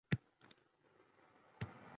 — Biz — Sening To‘dangdanmiz